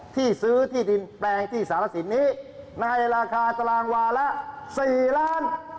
ที่ซื้อที่ดินแปลงที่สารสินนี้ในราคาตารางวาละ๔ล้าน